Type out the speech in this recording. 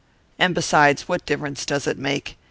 "And besides, what difference does it make?